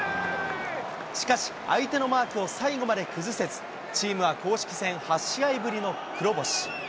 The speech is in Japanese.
しかし、相手のマークを最後まで崩せず、チームは公式戦８試合ぶりの黒星。